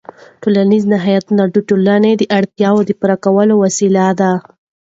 ټولنیز نهاد د ټولنې د اړتیاوو د پوره کولو وسیله ده.